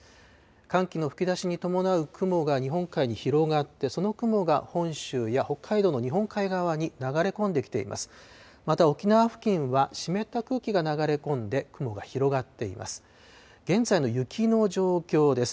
寒気の吹き出しに伴う雲が日本海に広がって、その雲が本州や北海道の日本海側に流れ込んできています。